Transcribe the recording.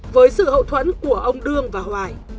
với sự hậu thuẫn của ông đương và hoài